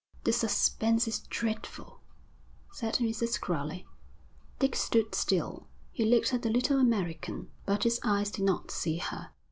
'The suspense is dreadful,' said Mrs. Crowley. Dick stood still. He looked at the little American, but his eyes did not see her.